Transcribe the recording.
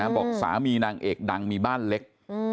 บอกสามีนางเอกดังมีบ้านเล็ก